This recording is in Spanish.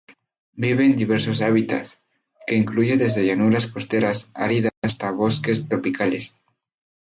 Vive en diversos hábitats que incluyen desde llanuras costeras áridas hasta bosques tropicales.